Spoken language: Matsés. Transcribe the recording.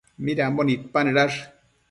Midambo nidpanëdash?